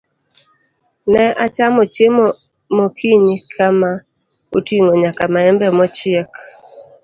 Ne achamo chiemo mokinyi kama oting'o nyaka maembe mochiek.